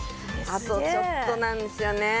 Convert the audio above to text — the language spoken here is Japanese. あとちょっとなんですよね